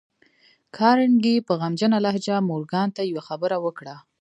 کارنګي په غمجنه لهجه مورګان ته يوه خبره وکړه.